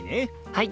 はい！